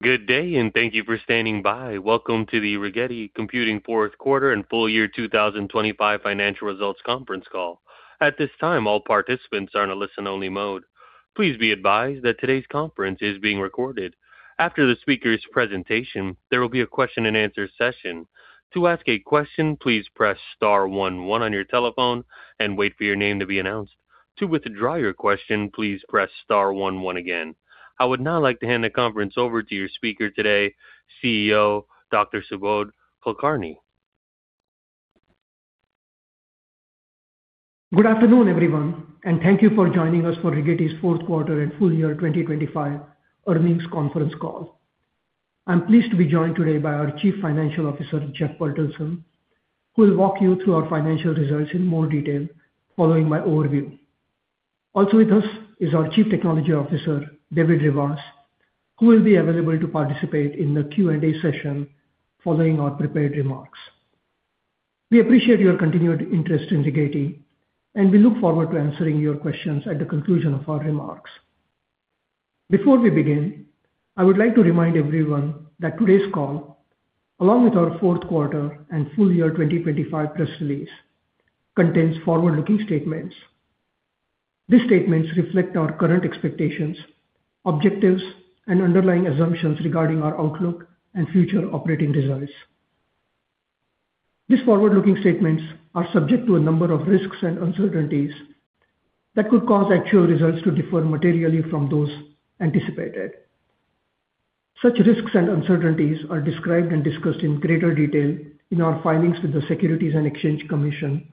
Good day, and thank you for standing by. Welcome to the Rigetti Computing fourth quarter and full year 2025 financial results conference call. At this time, all participants are in a listen-only mode. Please be advised that today's conference is being recorded. After the speaker's presentation, there will be a question-and-answer session. To ask a question, please press star one one on your telephone and wait for your name to be announced. To withdraw your question, please press star one one again. I would now like to hand the conference over to your speaker today, CEO, Dr. Subodh Kulkarni. Good afternoon, everyone, thank you for joining us for Rigetti's fourth quarter and full year 2025 earnings conference call. I'm pleased to be joined today by our Chief Financial Officer, Jeffrey Bertelsen, who will walk you through our financial results in more detail following my overview. Also with us is our Chief Technology Officer, David Rivas, who will be available to participate in the Q&A session following our prepared remarks. We appreciate your continued interest in Rigetti, we look forward to answering your questions at the conclusion of our remarks. Before we begin, I would like to remind everyone that today's call, along with our fourth quarter and full year 2025 press release, contains forward-looking statements. These statements reflect our current expectations, objectives, and underlying assumptions regarding our outlook and future operating results. These forward-looking statements are subject to a number of risks and uncertainties that could cause actual results to differ materially from those anticipated. Such risks and uncertainties are described and discussed in greater detail in our filings with the Securities and Exchange Commission,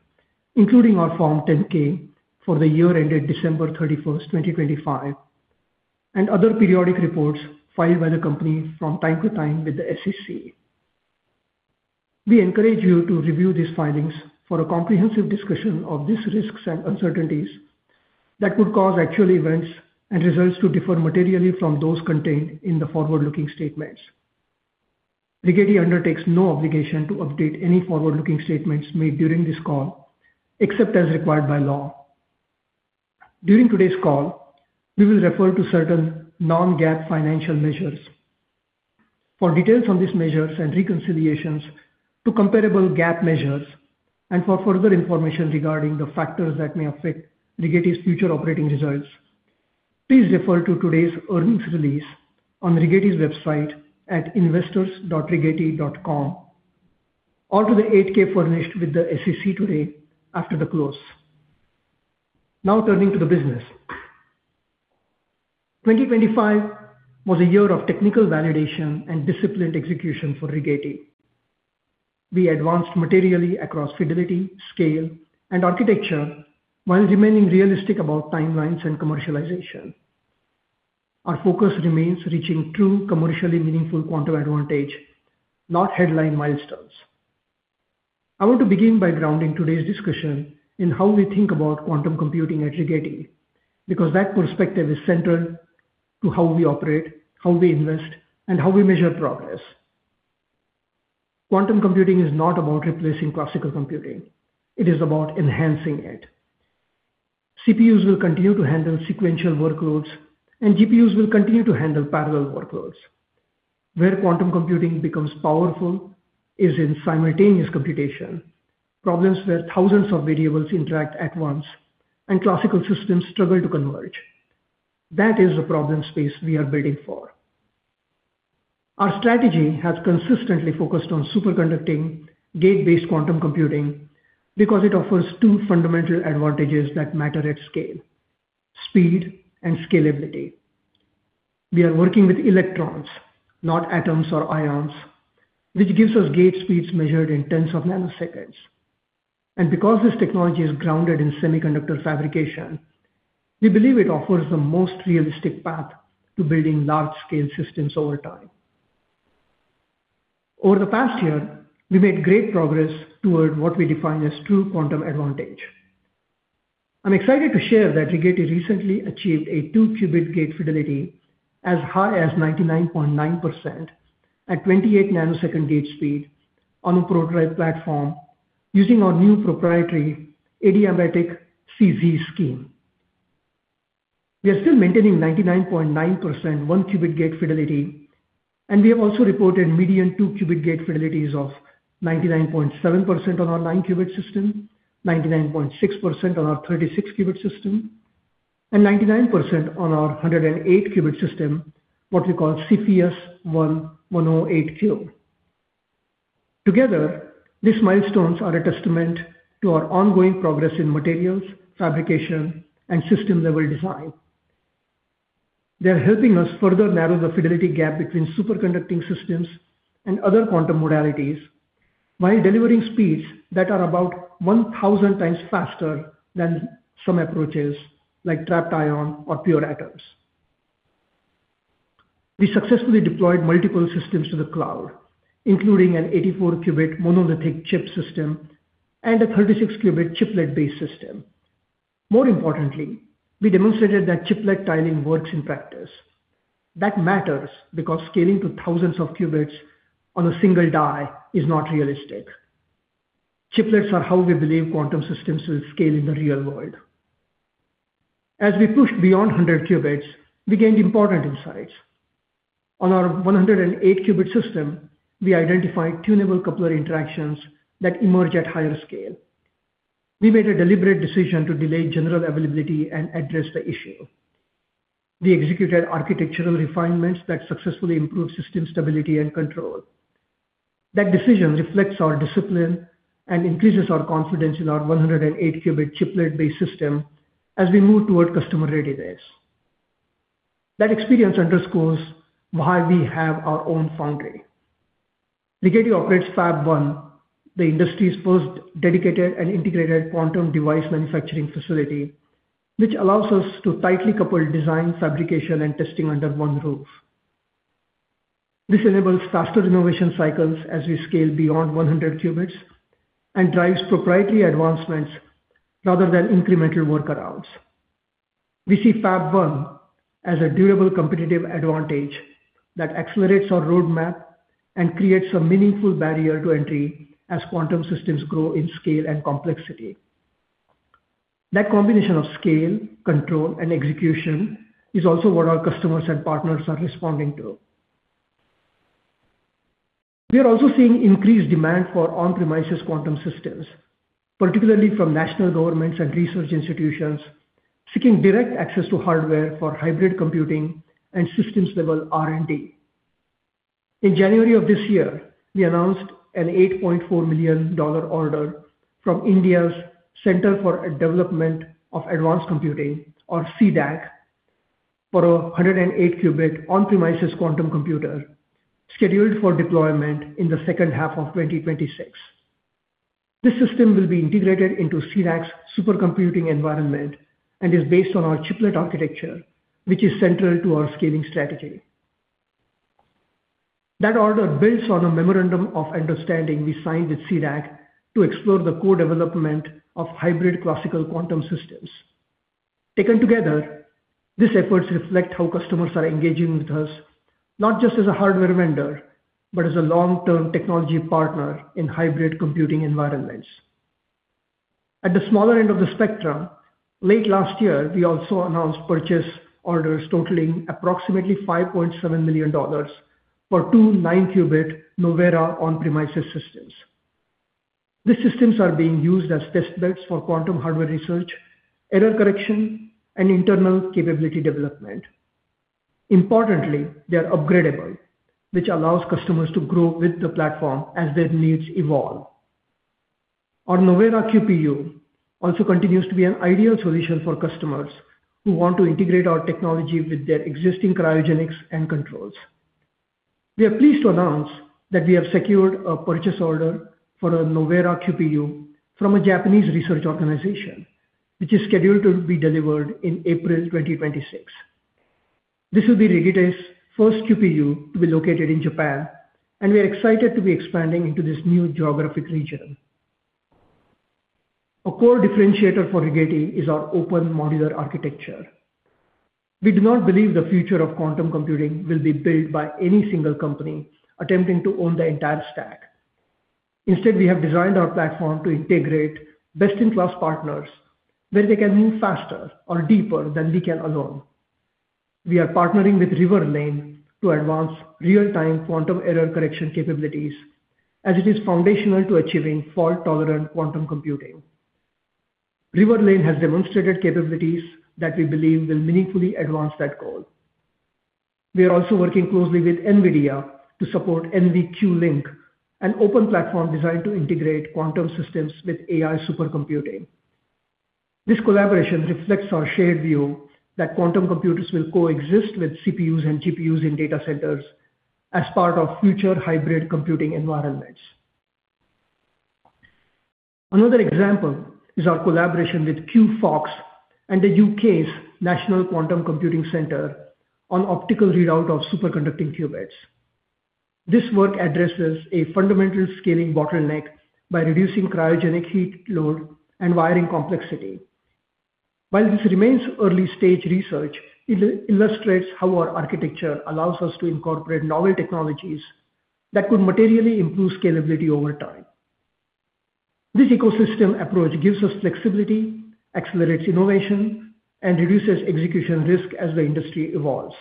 including our Form 10-K for the year ended December 31st, 2025, and other periodic reports filed by the company from time to time with the SEC. We encourage you to review these filings for a comprehensive discussion of these risks and uncertainties that could cause actual events and results to differ materially from those contained in the forward-looking statements. Rigetti undertakes no obligation to update any forward-looking statements made during this call, except as required by law. During today's call, we will refer to certain non-GAAP financial measures. For details on these measures and reconciliations to comparable GAAP measures and for further information regarding the factors that may affect Rigetti's future operating results, please refer to today's earnings release on Rigetti's website at investors.rigetti.com or to the 8-K furnished with the SEC today after the close. Turning to the business. 2025 was a year of technical validation and disciplined execution for Rigetti. We advanced materially across fidelity, scale, and architecture while remaining realistic about timelines and commercialization. Our focus remains reaching true commercially meaningful quantum advantage, not headline milestones. I want to begin by grounding today's discussion in how we think about quantum computing at Rigetti, because that perspective is central to how we operate, how we invest, and how we measure progress. Quantum computing is not about replacing classical computing. It is about enhancing it. CPUs will continue to handle sequential workloads, and GPUs will continue to handle parallel workloads. Where quantum computing becomes powerful is in simultaneous computation, problems where thousands of variables interact at once and classical systems struggle to converge. That is the problem space we are building for. Our strategy has consistently focused on superconducting gate-based quantum computing because it offers two fundamental advantages that matter at scale: speed and scalability. We are working with electrons, not atoms or ions, which gives us gate speeds measured in tens of nanoseconds. Because this technology is grounded in semiconductor fabrication, we believe it offers the most realistic path to building large-scale systems over time. Over the past year, we made great progress toward what we define as true quantum advantage. I'm excited to share that Rigetti recently achieved a 2-qubit gate fidelity as high as 99.9% at 28 nanosecond gate speed on a prototype platform using our new proprietary adiabatic CZ scheme. We are still maintaining 99.9% 1-qubit gate fidelity, and we have also reported median 2-qubit gate fidelities of 99.7% on our 9-qubit system, 99.6% on our 36-qubit system, and 99% on our 108-qubit system, what we call Cepheus-1-108Q. Together, these milestones are a testament to our ongoing progress in materials, fabrication, and system-level design. They're helping us further narrow the fidelity gap between superconducting systems and other quantum modalities while delivering speeds that are about 1,000 times faster than some approaches like trapped ion or pure atoms. We successfully deployed multiple systems to the cloud, including an 84 qubit monolithic chip system and a 36 qubit chiplet-based system. We demonstrated that chiplet tiling works in practice. That matters because scaling to thousands of qubits on a single die is not realistic. Chiplets are how we believe quantum systems will scale in the real world. As we pushed beyond 100 qubits, we gained important insights. On our 108 qubit system, we identified tunable coupler interactions that emerge at higher scale. We made a deliberate decision to delay general availability and address the issue. We executed architectural refinements that successfully improved system stability and control. That decision reflects our discipline and increases our confidence in our 108 qubit chiplet-based system as we move toward customer readiness. That experience underscores why we have our own foundry. Rigetti operates Fab-1, the industry's first dedicated and integrated quantum device manufacturing facility, which allows us to tightly couple design, fabrication, and testing under one roof. This enables faster innovation cycles as we scale beyond 100 qubits and drives proprietary advancements rather than incremental workarounds. We see Fab-1 as a durable competitive advantage that accelerates our roadmap and creates a meaningful barrier to entry as quantum systems grow in scale and complexity. That combination of scale, control, and execution is also what our customers and partners are responding to. We are also seeing increased demand for on-premises quantum systems, particularly from national governments and research institutions seeking direct access to hardware for hybrid computing and systems-level R&D. In January of this year, we announced an $8.4 million order from India's Centre for Development of Advanced Computing, or C-DAC, for a 108-qubit on-premises quantum computer scheduled for deployment in the second half of 2026. This system will be integrated into C-DAC's supercomputing environment and is based on our chiplet architecture, which is central to our scaling strategy. That order builds on a memorandum of understanding we signed with C-DAC to explore the co-development of hybrid classical quantum systems. Taken together, these efforts reflect how customers are engaging with us, not just as a hardware vendor, but as a long-term technology partner in hybrid computing environments. At the smaller end of the spectrum, late last year, we also announced purchase orders totaling approximately $5.7 million for two 9-qubit Novera on-premises systems. These systems are being used as testbeds for quantum hardware research, error correction, and internal capability development. Importantly, they are upgradable, which allows customers to grow with the platform as their needs evolve. Our Novera QPU also continues to be an ideal solution for customers who want to integrate our technology with their existing cryogenics and controls. We are pleased to announce that we have secured a purchase order for a Novera QPU from a Japanese research organization, which is scheduled to be delivered in April 2026. This will be Rigetti's first QPU to be located in Japan, and we are excited to be expanding into this new geographic region. A core differentiator for Rigetti is our open modular architecture. We do not believe the future of quantum computing will be built by any single company attempting to own the entire stack. Instead, we have designed our platform to integrate best-in-class partners where they can move faster or deeper than we can alone. We are partnering with Riverlane to advance real-time quantum error correction capabilities as it is foundational to achieving fault-tolerant quantum computing. Riverlane has demonstrated capabilities that we believe will meaningfully advance that goal. We are also working closely with NVIDIA to support NVQLink, an open platform designed to integrate quantum systems with AI supercomputing. This collaboration reflects our shared view that quantum computers will coexist with CPUs and GPUs in data centers as part of future hybrid computing environments. Another example is our collaboration with QphoX and the UK's National Quantum Computing Centre on optical readout of superconducting qubits. This work addresses a fundamental scaling bottleneck by reducing cryogenic heat load and wiring complexity. While this remains early-stage research, it illustrates how our architecture allows us to incorporate novel technologies that could materially improve scalability over time. This ecosystem approach gives us flexibility, accelerates innovation, and reduces execution risk as the industry evolves.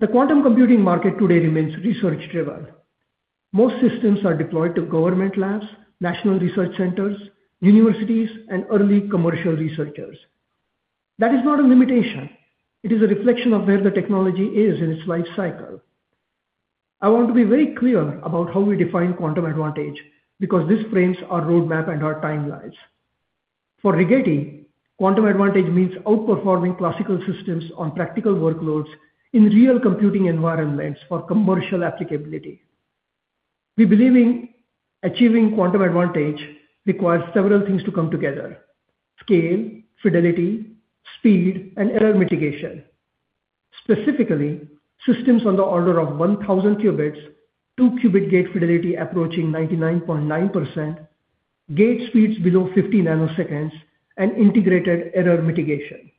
The quantum computing market today remains research-driven. Most systems are deployed to government labs, national research centers, universities, and early commercial researchers. That is not a limitation. It is a reflection of where the technology is in its life cycle. I want to be very clear about how we define quantum advantage because this frames our roadmap and our timelines. For Rigetti, quantum advantage means outperforming classical systems on practical workloads in real computing environments for commercial applicability. We believe in achieving quantum advantage requires several things to come together: scale, fidelity, speed, and error mitigation. Specifically, systems on the order of 1,000 qubits, two-qubit gate fidelity approaching 99.9%, gate speeds below 50 nanoseconds, and integrated error mitigation.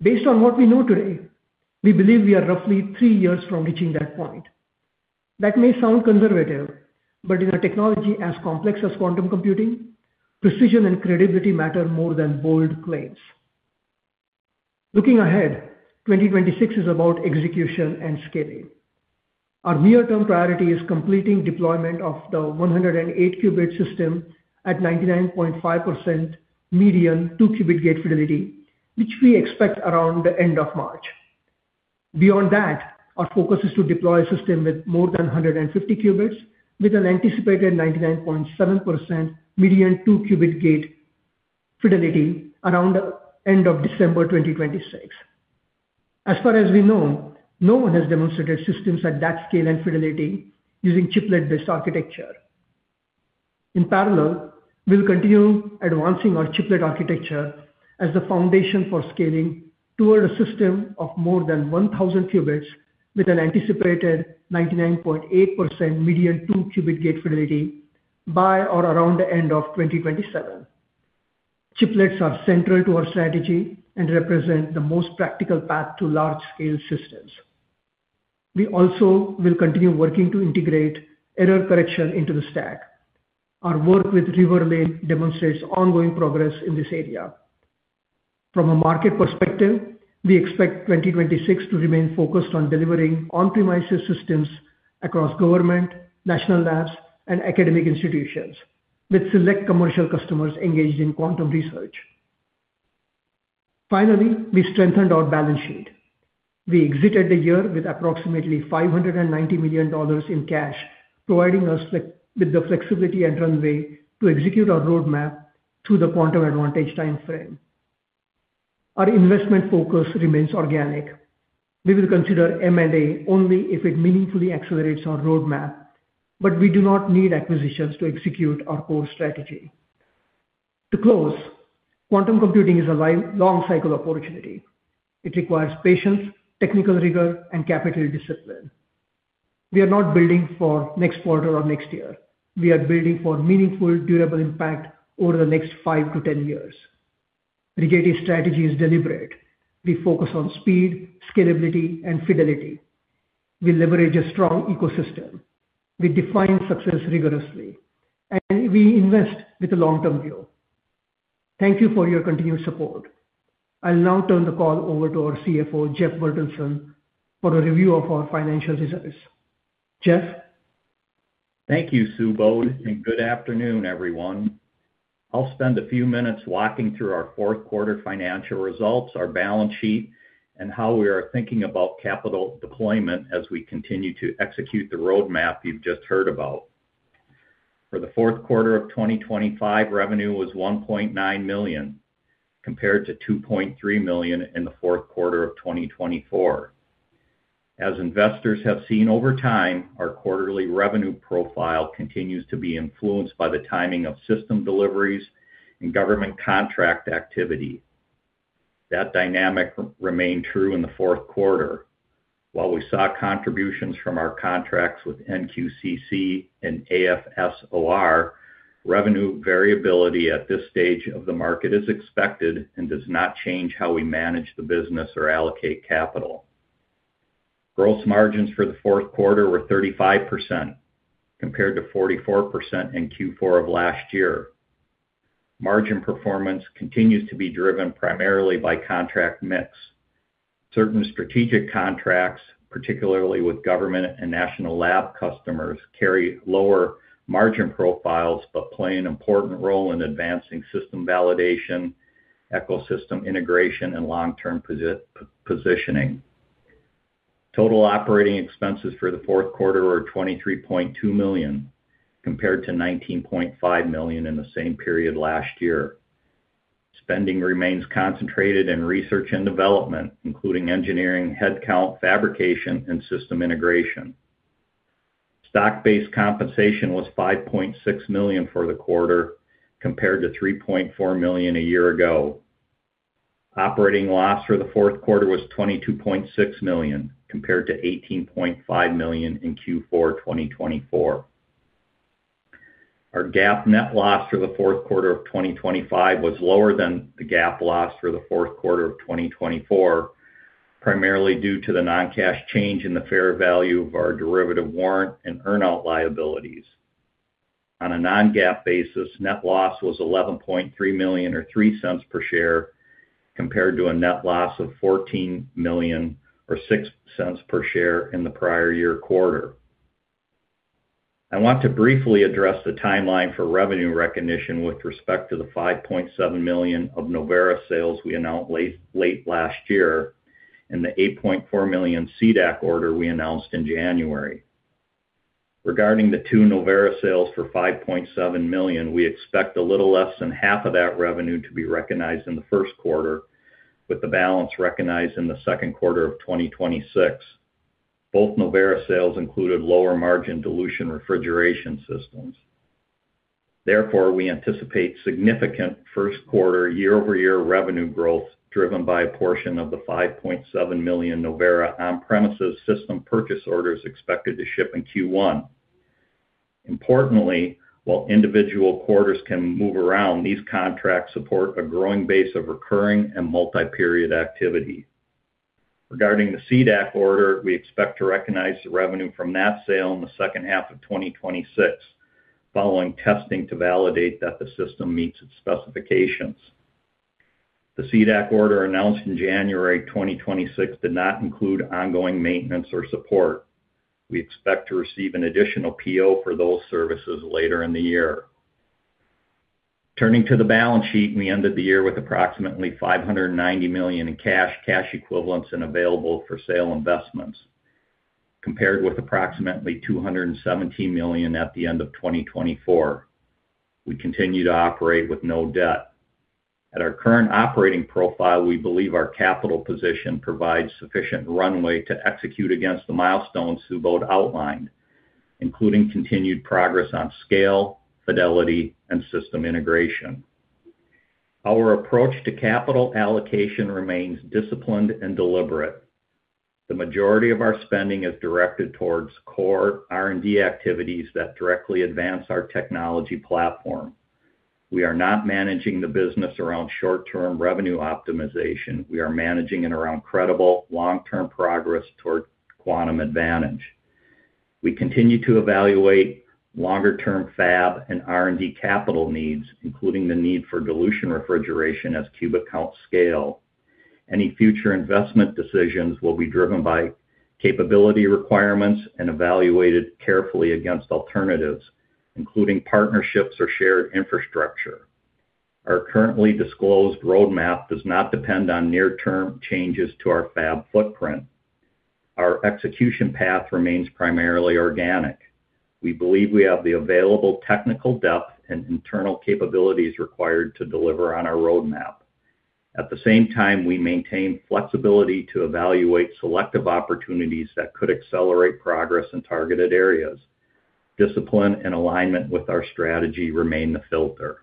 Based on what we know today, we believe we are roughly 3 years from reaching that point. That may sound conservative, but in a technology as complex as quantum computing, precision and credibility matter more than bold claims. Looking ahead, 2026 is about execution and scaling. Our near-term priority is completing deployment of the 108 qubit system at 99.5% median two-qubit gate fidelity, which we expect around the end of March. Beyond that, our focus is to deploy a system with more than 150 qubits with an anticipated 99.7% median two-qubit gate fidelity around the end of December 2026. As far as we know, no one has demonstrated systems at that scale and fidelity using chiplet-based architecture. In parallel, we'll continue advancing our chiplet architecture as the foundation for scaling toward a system of more than 1,000 qubits with an anticipated 99.8% median two qubit gate fidelity by or around the end of 2027. Chiplets are central to our strategy and represent the most practical path to large-scale systems. We also will continue working to integrate error correction into the stack. Our work with Riverlane demonstrates ongoing progress in this area. From a market perspective, we expect 2026 to remain focused on delivering on-premises systems across government, national labs, and academic institutions, with select commercial customers engaged in quantum research. We strengthened our balance sheet. We exited the year with approximately $590 million in cash, providing us with the flexibility and runway to execute our roadmap through the quantum advantage timeframe. Our investment focus remains organic. We will consider M&A only if it meaningfully accelerates our roadmap, but we do not need acquisitions to execute our core strategy. To close, quantum computing is a long cycle opportunity. It requires patience, technical rigor, and capital discipline. We are not building for next quarter or next year. We are building for meaningful, durable impact over the next 5-10 years. Rigetti's strategy is deliberate. We focus on speed, scalability, and fidelity. We leverage a strong ecosystem. We define success rigorously, and we invest with a long-term view. Thank you for your continued support. I'll now turn the call over to our CFO, Jeffrey Bertelsen, for a review of our financial results. Jeffrey? Thank you, Subho, and good afternoon, everyone. I'll spend a few minutes walking through our fourth quarter financial results, our balance sheet, and how we are thinking about capital deployment as we continue to execute the roadmap you've just heard about. For the fourth quarter of 2025, revenue was $1.9 million, compared to $2.3 million in the fourth quarter of 2024. As investors have seen over time, our quarterly revenue profile continues to be influenced by the timing of system deliveries and government contract activity. That dynamic remained true in the fourth quarter. While we saw contributions from our contracts with NQCC and AFOSR, revenue variability at this stage of the market is expected and does not change how we manage the business or allocate capital. Gross margins for the fourth quarter were 35%, compared to 44% in Q4 of last year. Margin performance continues to be driven primarily by contract mix. Certain strategic contracts, particularly with government and national lab customers, carry lower margin profiles, but play an important role in advancing system validation, ecosystem integration, and long-term positioning. Total operating expenses for the fourth quarter were $23.2 million, compared to $19.5 million in the same period last year. Spending remains concentrated in research and development, including engineering, headcount, fabrication, and system integration. Stock-based compensation was $5.6 million for the quarter, compared to $3.4 million a year ago. Operating loss for the fourth quarter was $22.6 million, compared to $18.5 million in Q4 2024. Our GAAP net loss for the fourth quarter of 2025 was lower than the GAAP loss for the fourth quarter of 2024, primarily due to the non-cash change in the fair value of our derivative warrant and earn-out liabilities. On a non-GAAP basis, net loss was $11.3 million or $0.03 per share, compared to a net loss of $14 million or $0.06 per share in the prior year quarter. I want to briefly address the timeline for revenue recognition with respect to the $5.7 million of Novera sales we announced late last year and the $8.4 million C-DAC order we announced in January. Regarding the two Novera sales for $5.7 million, we expect a little less than half of that revenue to be recognized in the first quarter, with the balance recognized in the second quarter of 2026. Both Novera sales included lower-margin dilution refrigeration systems. We anticipate significant first quarter year-over-year revenue growth driven by a portion of the $5.7 million Novera on-premises system purchase orders expected to ship in Q1. Importantly, while individual quarters can move around, these contracts support a growing base of recurring and multi-period activity. Regarding the C-DAC order, we expect to recognize the revenue from that sale in the second half of 2026 following testing to validate that the system meets its specifications. The C-DAC order announced in January 2026 did not include ongoing maintenance or support. We expect to receive an additional PO for those services later in the year. Turning to the balance sheet, we ended the year with approximately $590 million in cash equivalents and available for sale investments, compared with approximately $217 million at the end of 2024. We continue to operate with no debt. At our current operating profile, we believe our capital position provides sufficient runway to execute against the milestones Subodh outlined, including continued progress on scale, fidelity, and system integration. Our approach to capital allocation remains disciplined and deliberate. The majority of our spending is directed towards core R&D activities that directly advance our technology platform. We are not managing the business around short-term revenue optimization. We are managing it around credible long-term progress toward quantum advantage. We continue to evaluate longer-term fab and R&D capital needs, including the need for dilution refrigeration as qubit counts scale. Any future investment decisions will be driven by capability requirements and evaluated carefully against alternatives, including partnerships or shared infrastructure. Our currently disclosed roadmap does not depend on near-term changes to our fab footprint. Our execution path remains primarily organic. We believe we have the available technical depth and internal capabilities required to deliver on our roadmap. At the same time, we maintain flexibility to evaluate selective opportunities that could accelerate progress in targeted areas. Discipline and alignment with our strategy remain the filter.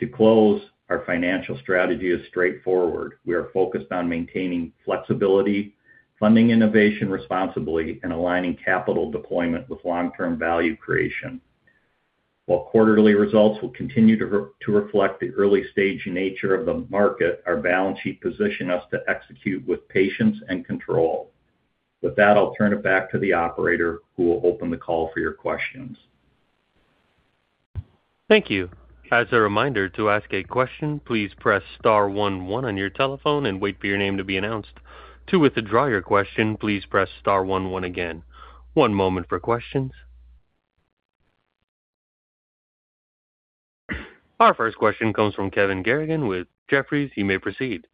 To close, our financial strategy is straightforward. We are focused on maintaining flexibility, funding innovation responsibly, and aligning capital deployment with long-term value creation. While quarterly results will continue to reflect the early-stage nature of the market, our balance sheet position us to execute with patience and control. With that, I'll turn it back to the operator, who will open the call for your questions. Thank you. As a reminder to ask a question, please press star one one on your telephone and wait for your name to be announced. To withdraw your question, please press star one one again. One moment for questions. Our first question comes from Kevin Garrigan with Jefferies. You may proceed.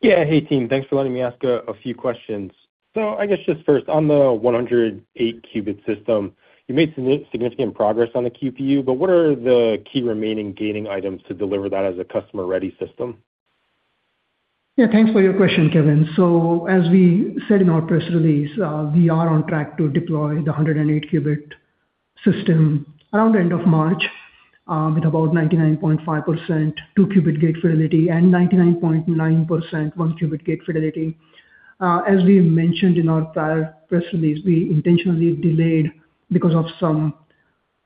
Yeah. Hey, team. Thanks for letting me ask a few questions. I guess just first, on the 108-qubit system, you made some significant progress on the QPU, but what are the key remaining gating items to deliver that as a customer-ready system? Yeah, thanks for your question, Kevin. As we said in our press release, we are on track to deploy the 108 qubit system around the end of March, with about 99.5% two-qubit gate fidelity and 99.9% one-qubit gate fidelity. As we mentioned in our prior press release, we intentionally delayed because of some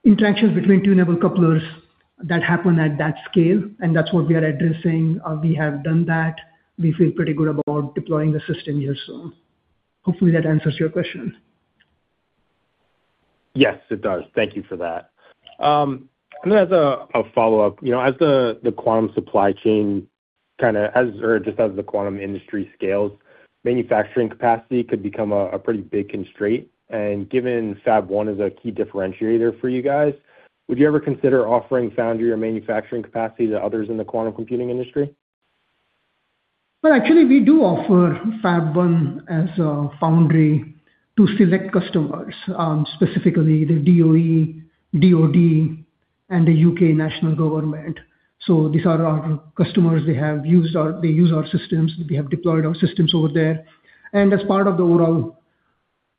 interactions between tuneable couplers that happen at that scale, and that's what we are addressing. We have done that. We feel pretty good about deploying the system here soon. Hopefully, that answers your question. Yes, it does. Thank you for that. Then as a follow-up, you know, as the quantum supply chain or just as the quantum industry scales, manufacturing capacity could become a pretty big constraint. Given Fab-1 is a key differentiator for you guys, would you ever consider offering foundry or manufacturing capacity to others in the quantum computing industry? Actually, we do offer Fab-1 as a foundry to select customers, specifically the DOE, DoD, and the U.K. national government. These are our customers. They use our systems. We have deployed our systems over there. As part of the overall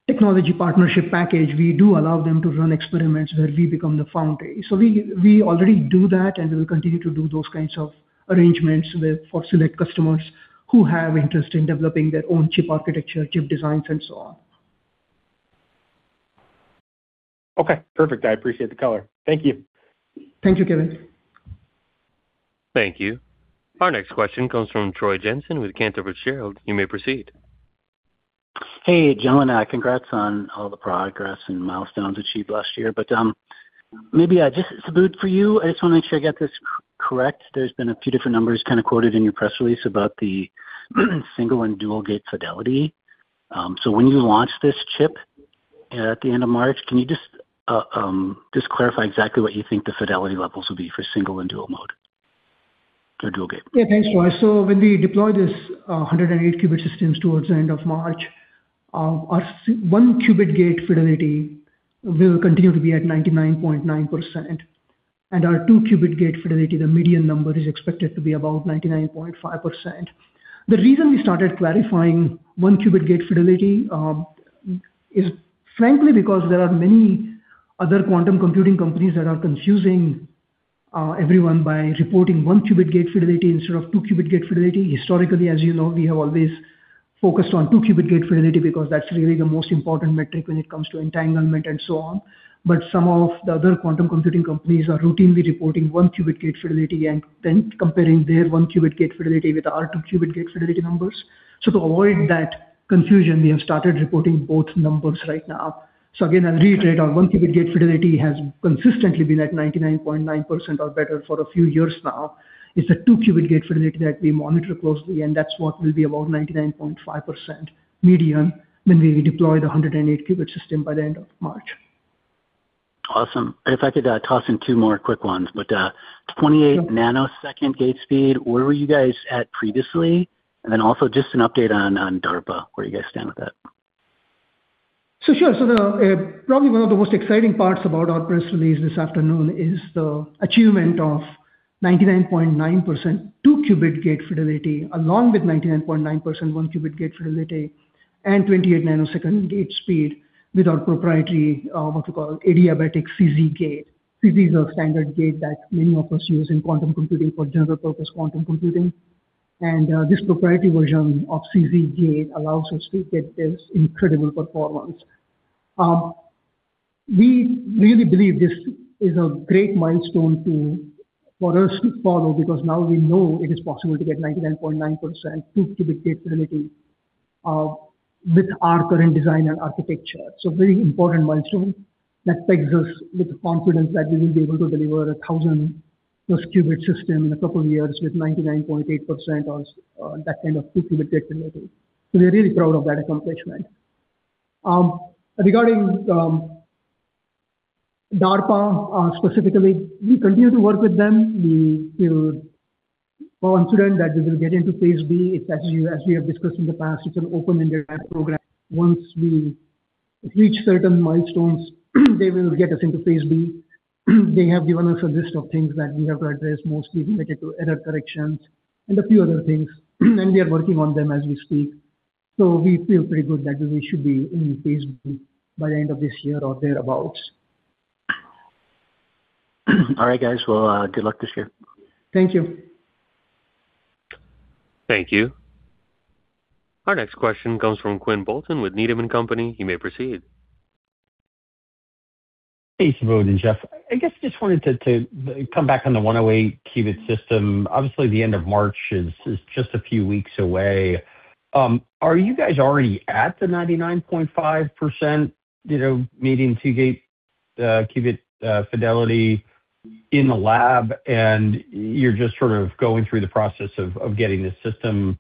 technology partnership package, we do allow them to run experiments where we become the foundry. We already do that, and we'll continue to do those kinds of arrangements for select customers who have interest in developing their own chip architecture, chip designs, and so on. Okay, perfect. I appreciate the color. Thank you. Thank you, Kevin. Thank you. Our next question comes from Troy Jensen with Cantor Fitzgerald. You may proceed. Hey, gentlemen. Congrats on all the progress and milestones achieved last year. Maybe, just Subodh for you, I just wanna make sure I get this correct. There's been a few different numbers kinda quoted in your press release about the single and dual gate fidelity. When you launch this chip at the end of March, can you just clarify exactly what you think the fidelity levels will be for single and dual mode or dual gate? Thanks, Troy. When we deploy this 108-qubit systems towards the end of March, our 1-qubit gate fidelity will continue to be at 99.9%, and our 2-qubit gate fidelity, the median number is expected to be about 99.5%. The reason we started clarifying 1-qubit gate fidelity is frankly because there are many other quantum computing companies that are confusing everyone by reporting 1-qubit gate fidelity instead of 2-qubit gate fidelity. Historically, as you know, we have always focused on 2-qubit gate fidelity because that's really the most important metric when it comes to entanglement and so on. Some of the other quantum computing companies are routinely reporting 1-qubit gate fidelity and then comparing their 1-qubit gate fidelity with our 2-qubit gate fidelity numbers. To avoid that confusion, we have started reporting both numbers right now. Again, I'll reiterate, our 1-qubit gate fidelity has consistently been at 99.9% or better for a few years now. It's the 2-qubit gate fidelity that we monitor closely, and that's what will be about 99.5% median when we deploy the 108-qubit system by the end of March. Awesome. If I could, toss in two more quick ones. With 28 nanosecond gate speed, where were you guys at previously? Then also just an update on DARPA where you guys stand with that. Sure. The probably one of the most exciting parts about our press release this afternoon is the achievement of 99.9% two qubit gate fidelity, along with 99.9% one qubit gate fidelity and 28 nanosecond gate speed with our proprietary, what you call adiabatic CZ gate. CZ is a standard gate that many of us use in quantum computing for general purpose quantum computing. This proprietary version of CZ gate allows us to get this incredible performance. We really believe this is a great milestone for us to follow because now we know it is possible to get 99.9% two qubit gate fidelity, with our current design and architecture. Very important milestone that takes us with the confidence that we will be able to deliver a 1,000+ qubit system in a couple of years with 99.8% or that kind of two-qubit gate fidelity. We're really proud of that accomplishment. Regarding DARPA specifically, we continue to work with them. We feel confident that we will get into Phase B. As we have discussed in the past, it's an open-ended program. Once we reach certain milestones, they will get us into Phase B. They have given us a list of things that we have to address, mostly related to error corrections and a few other things, and we are working on them as we speak. We feel pretty good that we should be in Phase B by the end of this year or thereabout. All right, guys. Well, good luck this year. Thank you. Thank you. Our next question comes from Quinn Bolton with Needham & Company. You may proceed. Hey, Subodh and Jeffrey. I guess just wanted to come back on the 108 qubit system. Obviously, the end of March is just a few weeks away. Are you guys already at the 99.5%, you know, meeting 2-gate qubit fidelity in the lab, and you're just sort of going through the process of getting the system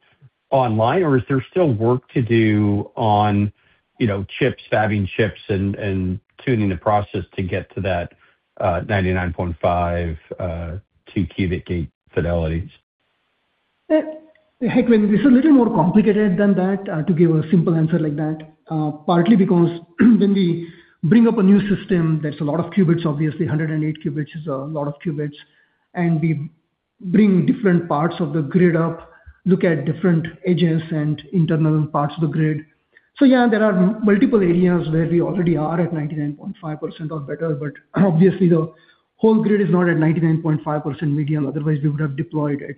online, or is there still work to do on, you know, chips, fabbing chips and tuning the process to get to that 99.5 2-qubit gate fidelities? Hey, Quinn. It's a little more complicated than that to give a simple answer like that. Partly because when we bring up a new system, there's a lot of qubits, obviously. 108 qubits is a lot of qubits, and we bring different parts of the grid up, look at different edges and internal parts of the grid. Yeah, there are multiple areas where we already are at 99.5% or better, but obviously the whole grid is not at 99.5% median. Otherwise, we would have deployed it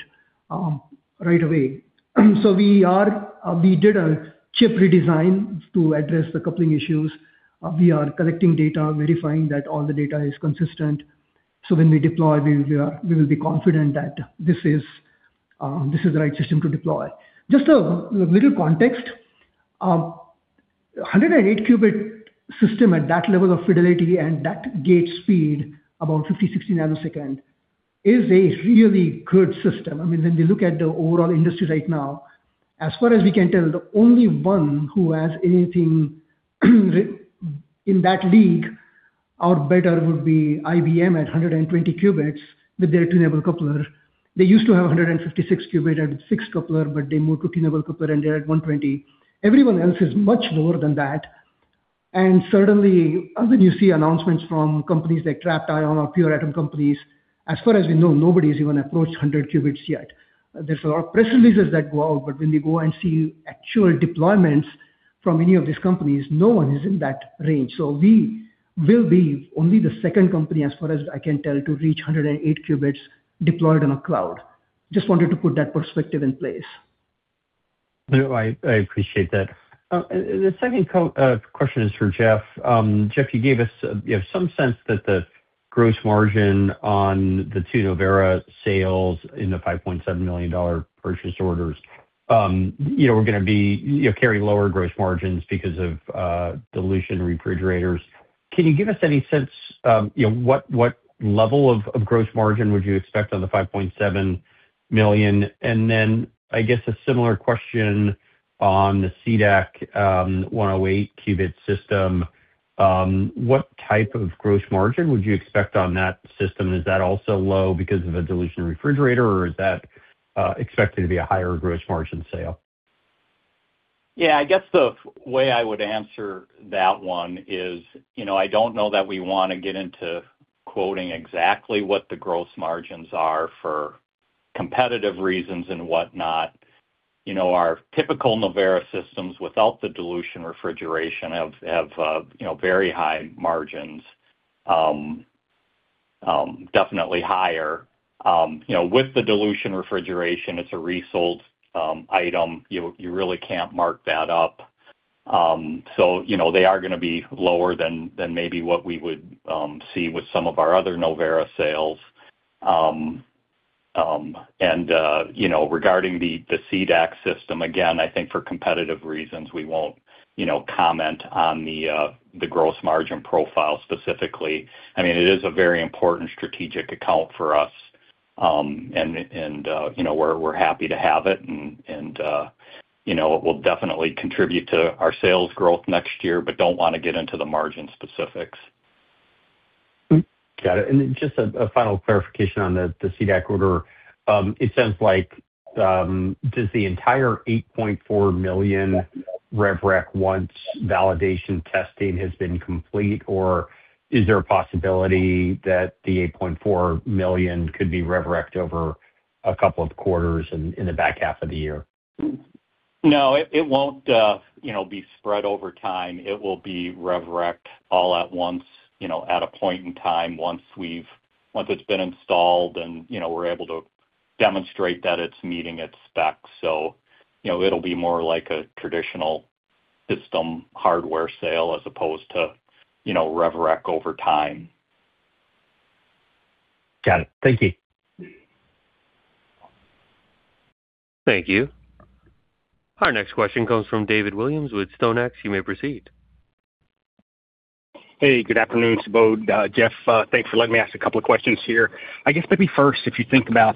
right away. We did a chip redesign to address the coupling issues. We are collecting data, verifying that all the data is consistent. When we deploy, we will be confident that this is the right system to deploy. Just a little context. A 108-qubit system at that level of fidelity and that gate speed, about 50-60 nanosecond, is a really good system. I mean, when we look at the overall industry right now, as far as we can tell, the only one who has anything in that league or better would be IBM at 120 qubits with their tunable coupler. They used to have a 156-qubit and 6 coupler, but they moved to tunable coupler, and they're at 120. Everyone else is much lower than that. Certainly other than you see announcements from companies like trapped ion or pure atom companies, as far as we know, nobody's even approached 100 qubits yet. There's a lot of press releases that go out, but when you go and see actual deployments from any of these companies, no one is in that range. We will be only the second company, as far as I can tell, to reach 108 qubits deployed on a cloud. Just wanted to put that perspective in place. No, I appreciate that. The second question is for Jeffrey. Jeffrey, you gave us, you know, some sense that the gross margin on the two Novera sales in the $5.7 million purchase orders, you know, are gonna be, you know, carry lower gross margins because of dilution refrigerators. Can you give us any sense, you know, what level of gross margin would you expect on the $5.7 million? I guess a similar question on the C-DAC 108-qubit system. What type of gross margin would you expect on that system? Is that also low because of a dilution refrigerator, or is that expected to be a higher gross margin sale? I guess the way I would answer that one is, you know, I don't know that we wanna get into quoting exactly what the gross margins are for. Competitive reasons and whatnot. You know, our typical Novera systems without the dilution refrigeration have, you know, very high margins, definitely higher. You know, with the dilution refrigeration, it's a resold item. You really can't mark that up. So, you know, they are gonna be lower than maybe what we would see with some of our other Novera sales. Regarding the C-DAC system, again, I think for competitive reasons, we won't, you know, comment on the gross margin profile specifically. I mean, it is a very important strategic account for us, and, you know, we're happy to have it and, you know, it will definitely contribute to our sales growth next year, but don't wanna get into the margin specifics. Got it. Just a final clarification on the C-DAC order. It sounds like, does the entire $8.4 million rev rec once validation testing has been complete? Is there a possibility that the $8.4 million could be rev rec'd over a couple of quarters in the back half of the year? No, it won't, you know, be spread over time. It will be rev rec'd all at once, you know, at a point in time once it's been installed and, you know, we're able to demonstrate that it's meeting its specs. You know, it'll be more like a traditional system hardware sale as opposed to, you know, rev rec over time. Got it. Thank you. Thank you. Our next question comes from David Williams with StoneX. You may proceed. Hey, good afternoon, Subodh, Jeffrey, thanks for letting me ask a couple of questions here. I guess maybe first, if you think about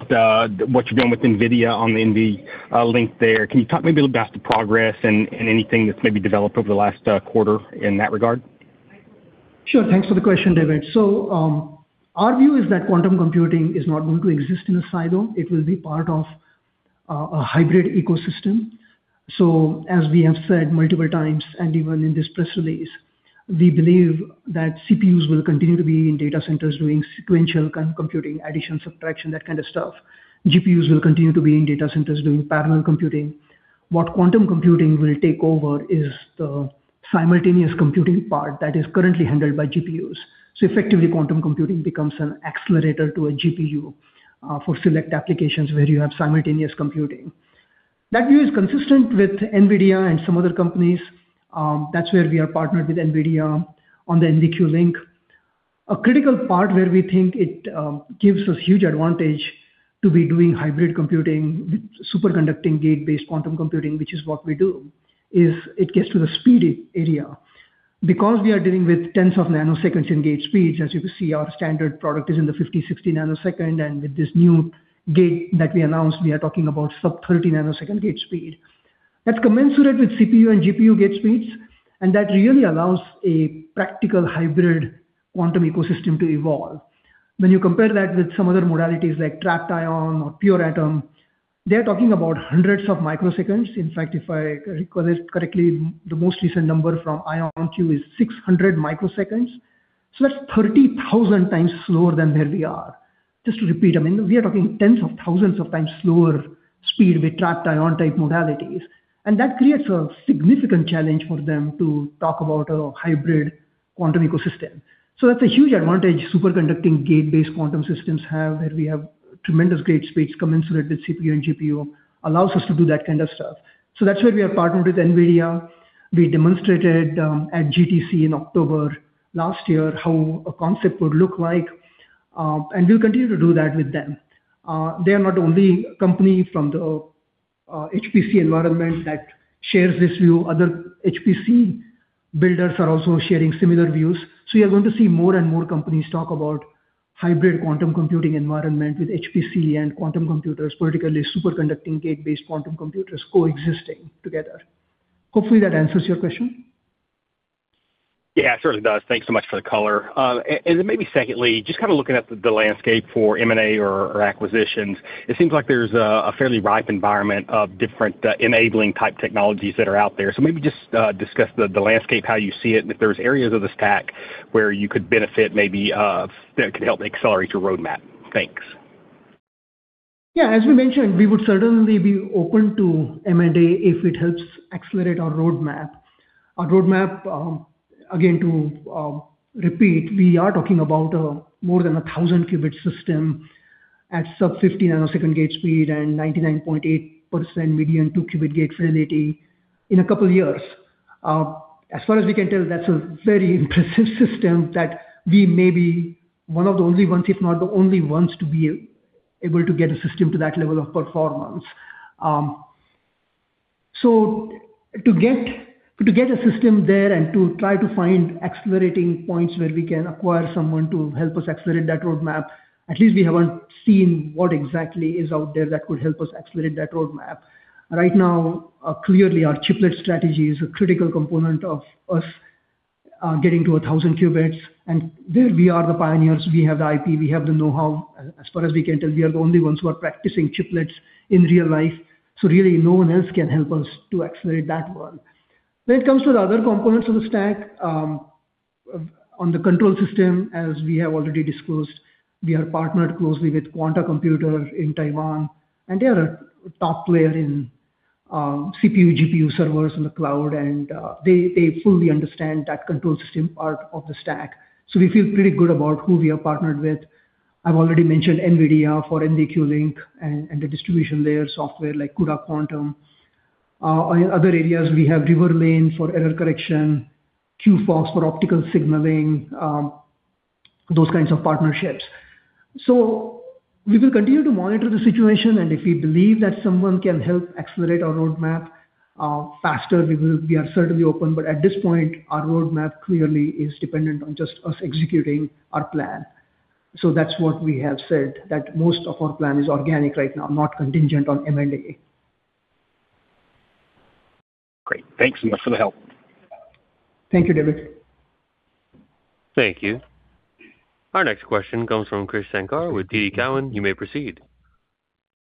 what you're doing with NVIDIA on the NV link there, can you talk maybe about the progress and anything that's maybe developed over the last quarter in that regard? Sure. Thanks for the question, David. Our view is that quantum computing is not going to exist in a silo. It will be part of a hybrid ecosystem. As we have said multiple times, and even in this press release, we believe that CPUs will continue to be in data centers doing sequential computing, addition, subtraction, that kind of stuff. GPUs will continue to be in data centers doing parallel computing. What quantum computing will take over is the simultaneous computing part that is currently handled by GPUs. Effectively, quantum computing becomes an accelerator to a GPU for select applications where you have simultaneous computing. That view is consistent with NVIDIA and some other companies. That's where we are partnered with NVIDIA on the NVQLink. A critical part where we think it gives us huge advantage to be doing hybrid computing with superconducting gate-based quantum computing, which is what we do, is it gets to the speed area. We are dealing with tens of nanoseconds in gate speeds, as you can see, our standard product is in the 50, 60 nanosecond, and with this new gate that we announced, we are talking about sub 30 nanosecond gate speed. That's commensurate with CPU and GPU gate speeds, and that really allows a practical hybrid quantum ecosystem to evolve. When you compare that with some other modalities like trapped ion or pure atom, they're talking about hundreds of microseconds. In fact, if I recall this correctly, the most recent number from IonQ is 600 microseconds. That's 30,000 times slower than where we are. Just to repeat, I mean, we are talking tens of thousands of times slower speed with trapped ion type modalities, and that creates a significant challenge for them to talk about a hybrid quantum ecosystem. That's a huge advantage superconducting gate-based quantum systems have, where we have tremendous gate speeds commensurate with CPU and GPU, allows us to do that kind of stuff. That's why we are partnered with NVIDIA. We demonstrated at GTC in October last year how a concept would look like, and we'll continue to do that with them. They are not the only company from the HPC environment that shares this view. Other HPC builders are also sharing similar views. You're going to see more and more companies talk about hybrid quantum computing environment with HPC and quantum computers, particularly superconducting gate-based quantum computers coexisting together. Hopefully, that answers your question. Yeah, it certainly does. Thanks so much for the color. And then maybe secondly, just kind of looking at the landscape for M&A or acquisitions, it seems like there's a fairly ripe environment of different enabling-type technologies that are out there. Maybe just discuss the landscape, how you see it, and if there's areas of the stack where you could benefit maybe that could help accelerate your roadmap. Thanks. Yeah. As we mentioned, we would certainly be open to M&A if it helps accelerate our roadmap. Our roadmap, again, to repeat, we are talking about more than a 1,000 qubit system at sub 50 nanosecond gate speed and 99.8% median two qubit gate fidelity in a couple of years. As far as we can tell, that's a very impressive system that we may be one of the only ones, if not the only ones, to be able to get a system to that level of performance. So to get a system there and to try to find accelerating points where we can acquire someone to help us accelerate that roadmap, at least we haven't seen what exactly is out there that could help us accelerate that roadmap. Right now, clearly our chiplet strategy is a critical component of us getting to 1,000 qubits, and there we are the pioneers. We have the IP, we have the know-how. As far as we can tell, we are the only ones who are practicing chiplets in real life, so really no one else can help us to accelerate that one. When it comes to the other components of the stack. On the control system, as we have already disclosed, we are partnered closely with Quanta Computer in Taiwan, and they are a top player in CPU, GPU servers in the cloud. They fully understand that control system part of the stack. We feel pretty good about who we are partnered with. I've already mentioned NVIDIA for NVQLink and the distribution layer software like CUDA-Q. Other areas we have Riverlane for error correction, QphoX for optical signaling, those kinds of partnerships. We will continue to monitor the situation, and if we believe that someone can help accelerate our roadmap faster, we are certainly open. At this point, our roadmap clearly is dependent on just us executing our plan. That's what we have said, that most of our plan is organic right now, not contingent on M&A. Great. Thanks so much for the help. Thank you, David. Thank you. Our next question comes from Krish Sankar with TD Cowen. You may proceed.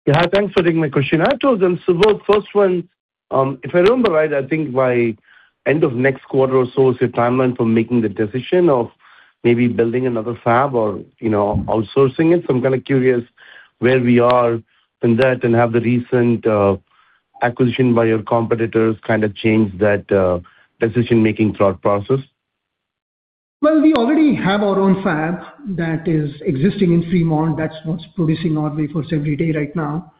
Yeah. Hi. Thanks for taking my question. I have two of them. Both first one, if I remember right, I think by end of next quarter or so is your timeline for making the decision of maybe building another fab or, you know, outsourcing it. I'm kind of curious where we are in that and have the recent acquisition by your competitors kind of changed that decision-making thought process? Well, we already have our own fab that is existing in Fremont. That's what's producing our wafers every day right now.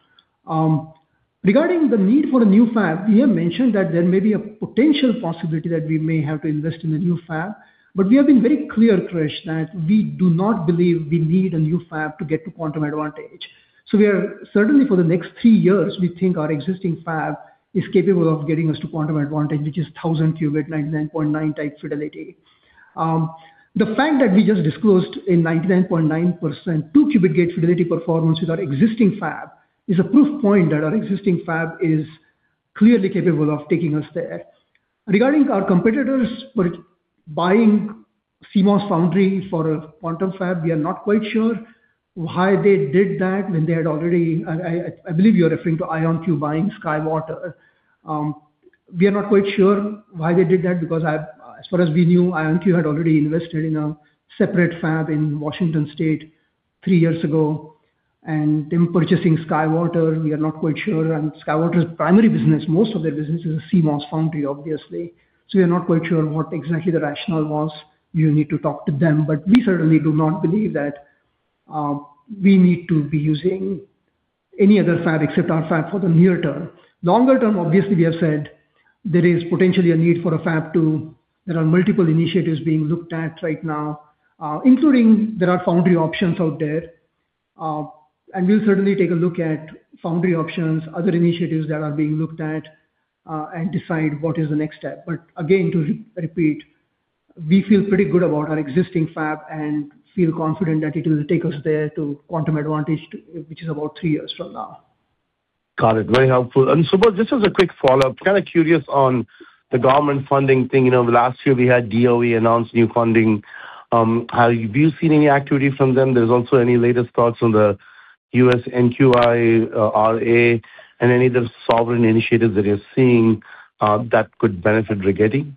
Regarding the need for a new fab, we have mentioned that there may be a potential possibility that we may have to invest in a new fab. We have been very clear, Krish, that we do not believe we need a new fab to get to quantum advantage. Certainly for the next 3 years, we think our existing fab is capable of getting us to quantum advantage, which is 1,000 qubit 99.9 type fidelity. The fact that we just disclosed a 99.9% 2-qubit gate fidelity performance with our existing fab is a proof point that our existing fab is clearly capable of taking us there. Regarding our competitors buying CMOS foundry for a quantum fab, we are not quite sure why they did that. I believe you're referring to IonQ buying SkyWater. We are not quite sure why they did that, because as far as we knew, IonQ had already invested in a separate fab in Washington state 3 years ago. Them purchasing SkyWater, we are not quite sure. SkyWater's primary business, most of their business is a CMOS foundry, obviously. We are not quite sure what exactly the rationale was. You need to talk to them. We certainly do not believe that we need to be using any other fab except our fab for the near term. Longer term, obviously, we have said there is potentially a need for a fab too. There are multiple initiatives being looked at right now, including there are foundry options out there. We'll certainly take a look at foundry options, other initiatives that are being looked at, and decide what is the next step. Again, to repeat, we feel pretty good about our existing fab and feel confident that it'll take us there to quantum advantage, which is about three years from now. Got it. Very helpful. Subodh, just as a quick follow-up. Kind of curious on the government funding thing. You know, last year we had DOE announce new funding. Have you seen any activity from them? There's also any latest thoughts on the U.S. NQIRA and any of the sovereign initiatives that you're seeing, that could benefit Rigetti?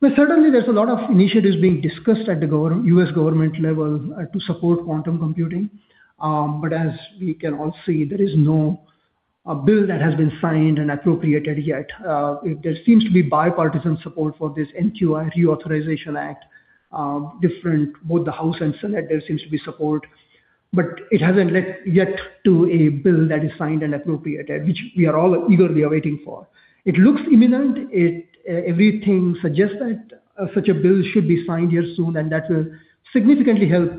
Well, certainly there's a lot of initiatives being discussed at the U.S. government level to support quantum computing. As we can all see, there is no bill that has been signed and appropriated yet. There seems to be bipartisan support for this NQI Reauthorization Act, different, both the House and Senate, there seems to be support, it hasn't led yet to a bill that is signed and appropriated, which we are all eagerly are waiting for. It looks imminent. Everything suggests that such a bill should be signed here soon, that will significantly help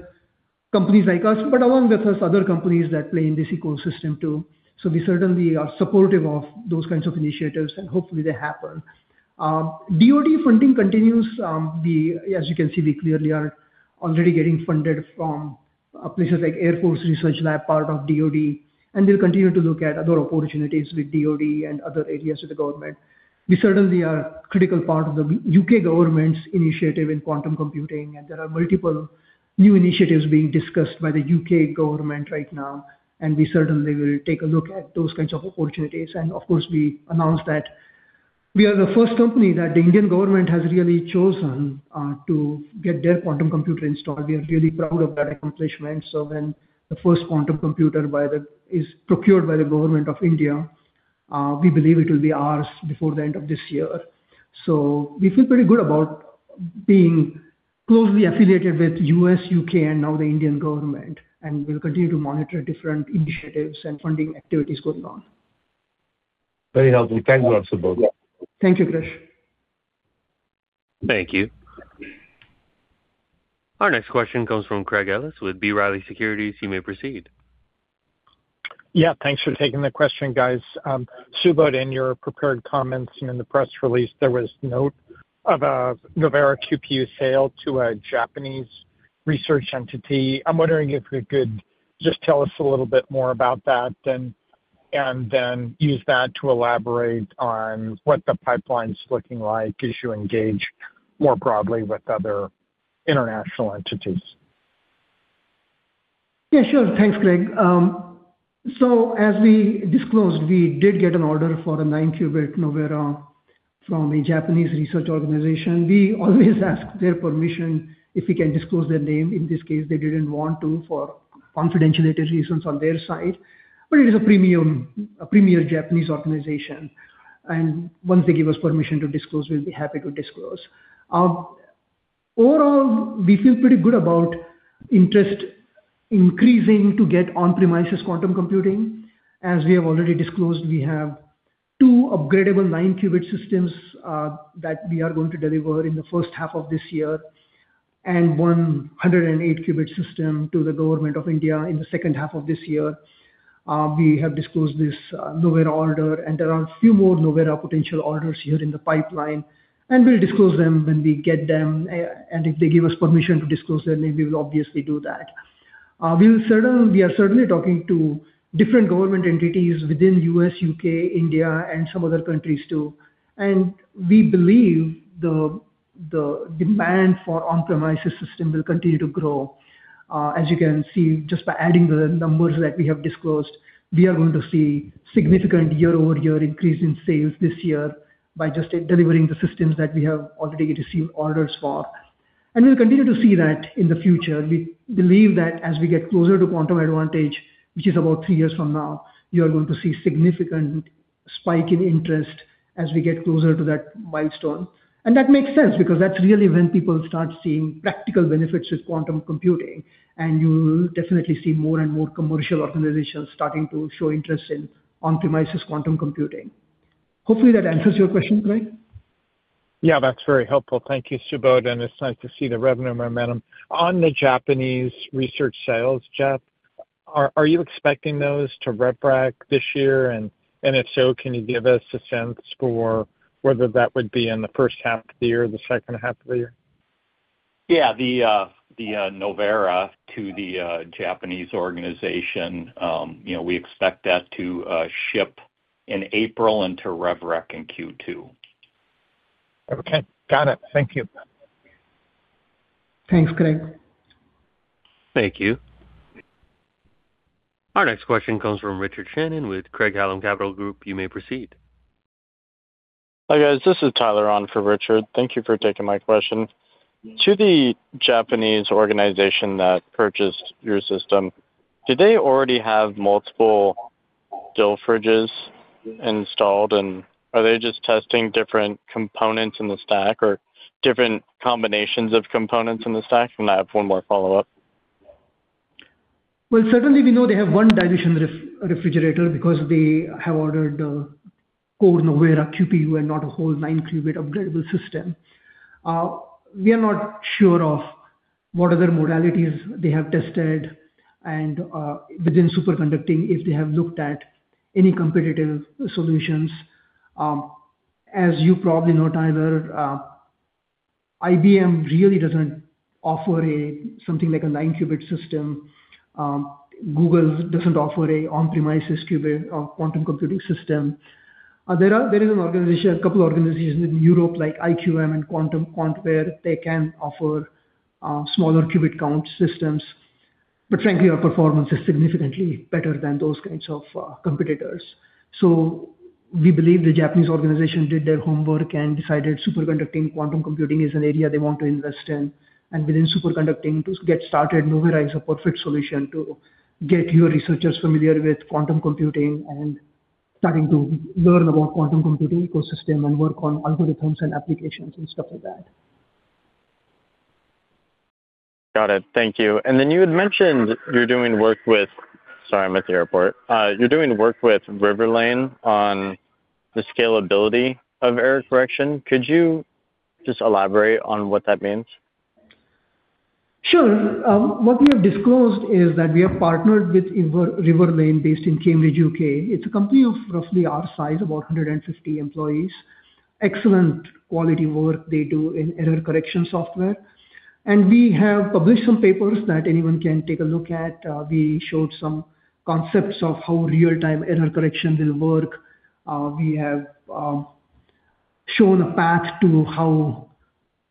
companies like us, along with us, other companies that play in this ecosystem too. We certainly are supportive of those kinds of initiatives, hopefully they happen. DoD funding continues. As you can see, we clearly are already getting funded from places like Air Force Research Lab, part of DoD. We'll continue to look at other opportunities with DoD and other areas of the government. We certainly are a critical part of the U.K. government's initiative in quantum computing. There are multiple new initiatives being discussed by the U.K. government right now. We certainly will take a look at those kinds of opportunities. Of course, we announced that we are the first company that the Indian government has really chosen to get their quantum computer installed. We are really proud of that accomplishment. When the first quantum computer is procured by the government of India, we believe it will be ours before the end of this year. We feel pretty good about being closely affiliated with U.S., U.K., and now the Indian government, and we'll continue to monitor different initiatives and funding activities going on. Very helpful. Thanks a lot, Subodh. Thank you, Krish. Thank you. Our next question comes from Craig Ellis with B. Riley Securities. You may proceed. Yeah, thanks for taking the question, guys. Subodh, in your prepared comments and in the press release, there was note of a Novera QPU sale to a Japanese research entity. I'm wondering if you could just tell us a little bit more about that. Then use that to elaborate on what the pipeline's looking like as you engage more broadly with other international entities. Yeah, sure. Thanks, Craig. As we disclosed, we did get an order for a 9-qubit Novera from a Japanese research organization. We always ask their permission if we can disclose their name. In this case, they didn't want to for confidentiality reasons on their side. It is a premier Japanese organization. Once they give us permission to disclose, we'll be happy to disclose. Overall, we feel pretty good about interest increasing to get on-premises quantum computing. As we have already disclosed, we have 2 upgradeable 9-qubit systems that we are going to deliver in the first half of this year and 108-qubit system to the government of India in the second half of this year. We have disclosed this Novera order, there are a few more Novera potential orders here in the pipeline, we'll disclose them when we get them. If they give us permission to disclose their name, we will obviously do that. We are certainly talking to different government entities within U.S., U.K., India, and some other countries, too. We believe the demand for on-premises system will continue to grow. As you can see, just by adding the numbers that we have disclosed, we are going to see significant year-over-year increase in sales this year by just delivering the systems that we have already received orders for. We'll continue to see that in the future. We believe that as we get closer to quantum advantage, which is about three years from now, you are going to see significant spike in interest as we get closer to that milestone. That makes sense because that's really when people start seeing practical benefits with quantum computing, and you'll definitely see more and more commercial organizations starting to show interest in on-premises quantum computing. Hopefully that answers your question, Craig. Yeah, that's very helpful. Thank you, Subodh. It's nice to see the revenue momentum. On the Japanese research sales, Jeffrey, are you expecting those to rev rec this year? If so, can you give us a sense for whether that would be in the first half of the year or the second half of the year? The Novera to the Japanese organization, you know, we expect that to ship in April and to rev rec in Q2. Okay. Got it. Thank you. Thanks, Craig. Thank you. Our next question comes from Richard Shannon with Craig-Hallum Capital Group. You may proceed. Hi, guys. This is Tyler on for Richard. Thank you for taking my question. To the Japanese organization that purchased your system, did they already have multiple dilution refrigerators installed? Are they just testing different components in the stack or different combinations of components in the stack? I have one more follow-up. Certainly we know they have 1 dilution refrigerator because they have ordered a core Novera QPU and not a whole 9-qubit upgradeable system. We are not sure of what other modalities they have tested and within superconducting, if they have looked at any competitive solutions. As you probably know, Tyler, IBM really doesn't offer a something like a 9-qubit system. Google doesn't offer a on-premises qubit quantum computing system. There is an organization, a couple organizations in Europe like IQM and QuantWare where they can offer smaller qubit count systems. Our performance is significantly better than those kinds of competitors. We believe the Japanese organization did their homework and decided superconducting quantum computing is an area they want to invest in. Within superconducting, to get started, Novera is a perfect solution to get your researchers familiar with quantum computing and starting to learn about quantum computing ecosystem and work on algorithms and applications and stuff like that. Got it. Thank you. You had mentioned you're doing work with... Sorry, I'm at the airport. You're doing work with Riverlane on the scalability of error correction. Could you just elaborate on what that means? Sure. What we have disclosed is that we have partnered with Riverlane based in Cambridge, U.K. It's a company of roughly our size, about 150 employees. Excellent quality work they do in error correction software. We have published some papers that anyone can take a look at. We showed some concepts of how real-time error correction will work. We have shown a path to how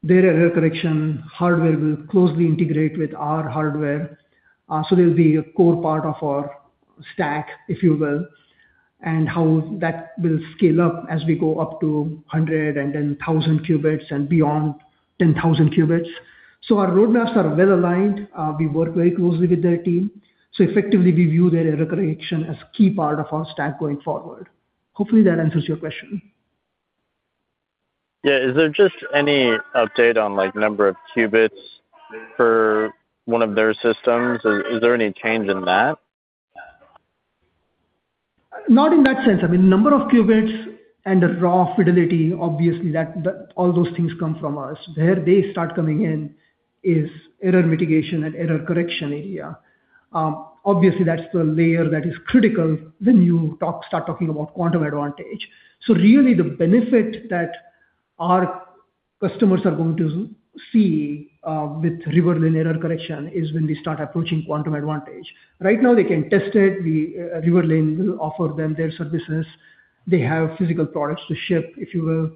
their error correction hardware will closely integrate with our hardware. They'll be a core part of our stack, if you will, and how that will scale up as we go up to 100 and then 1,000 qubits and beyond 10,000 qubits. Our roadmaps are well aligned. We work very closely with their team, effectively we view their error correction as key part of our stack going forward. Hopefully that answers your question. Yeah. Is there just any update on, like, number of qubits for one of their systems? Is there any change in that? Not in that sense. I mean, number of qubits and the raw fidelity, obviously that all those things come from us. Where they start coming in is error mitigation and error correction area. Obviously that's the layer that is critical when you start talking about quantum advantage. Really the benefit that our customers are going to see with Riverlane error correction is when we start approaching quantum advantage. Right now, they can test it. We Riverlane will offer them their services. They have physical products to ship, if you will.